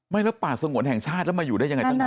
ไม่แล้วป่าสงวนแห่งชาติครับว่ายุ่ได้ยังไงตั้งกัน